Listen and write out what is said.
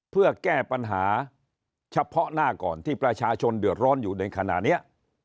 เพื่อแก้ปัญหาเฉพาะหน้าก่อนที่ประชาชนเดือดร้อนอยู่ในขณะนี้